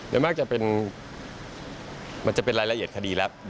โดยมากจะเป็นมันจะเป็นรายละเอียดคดีแล้ว